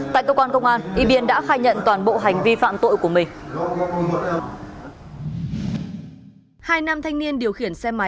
tại cơ quan công an y biên đã khai nhận toàn bộ hành vi phạm tội của mình